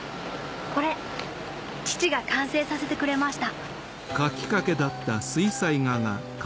これ父が完成させてくれました。